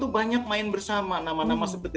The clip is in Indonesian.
banyak main bersama nama nama seperti